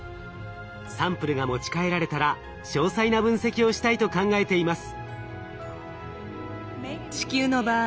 サンプルが持ち帰られたら詳細な分析をしたいと考えています。